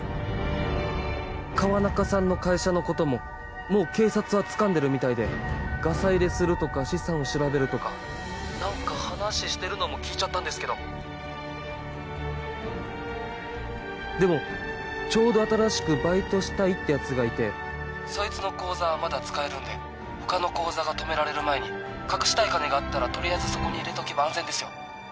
川中さんの会社のことももう警察はつかんでるみたいでガサ入れするとか資産を調べるとか☎なんか話してるのも聞いちゃったんですけどでもちょうど新しくバイトしたいって奴がいて☎そいつの口座はまだ使えるんで☎他の口座が止められる前に隠したい金があったら☎とりあえずそこに入れとけば安全ですよ